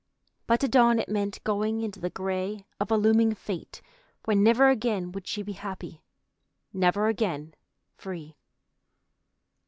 But to Dawn it meant going into the gray of a looming fate where never again would she be happy, never again free.